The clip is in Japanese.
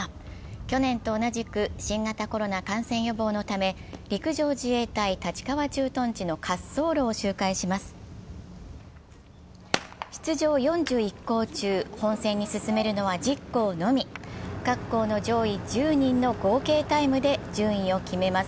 去年と同じく新型コロナ感染予防のため陸上自衛隊立川駐屯地の滑走路を周回します。